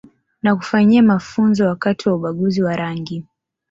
Na kufanyia mafunzo wakati wa ubaguzi wa rangi